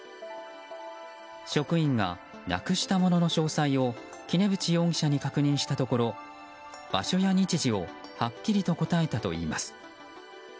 職員がなくしたものの詳細を杵渕容疑者に確認したところ場所や日時をはっきりと答えたといいます。